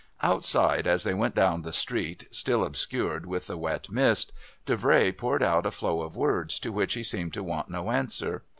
Outside, as they went down the street still obscured with the wet mist, Davray poured out a flow of words to which he seemed to want no answer.